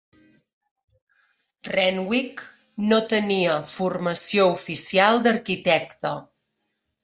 Renwick no tenia formació oficial d'arquitecte.